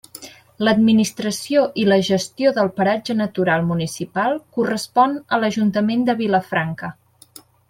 L'administració i la gestió del paratge natural municipal correspon a l'Ajuntament de Vilafranca.